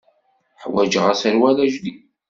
Ḥwaǧeɣ aserwal ajdid.